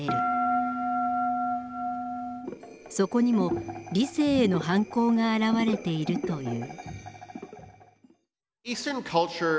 そこにも「理性への反抗」が現れているという。